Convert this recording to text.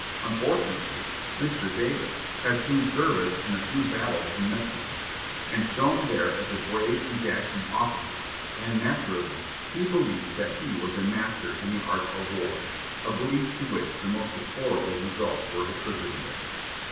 Unfortunately, Mr. Davis had seen service in a a few battles in Mexico, and shone there as a brave and dashing officer, and naturally he believed that he was a master in the art of war — a belief to which the most deplorable results are attributable.